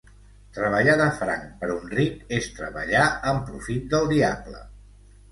Treballar de franc per un ric és treballar en profit del diable.